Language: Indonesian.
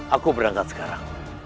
aku berangkat sekarang